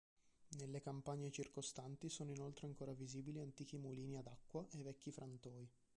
Nelle campagne circostanti sono inoltre ancora visibili antichi mulini ad acqua e vecchi frantoi.